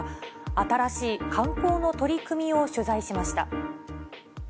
新しい観光の取り組みを取材しました。